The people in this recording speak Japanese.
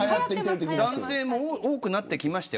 男性も多くなってきましたよ。